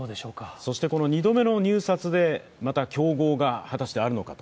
そして２度目の入札で競合が果たしてあるのかと。